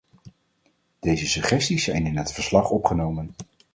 Deze suggesties zijn in het verslag opgenomen.